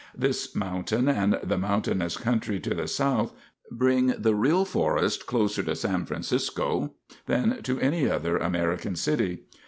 This mountain and the mountainous country to the south bring the real forest closer to San Francisco than to any other American city.